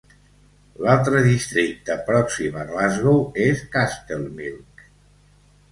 L'altre districte pròxim a Glasgow és Castlemilk.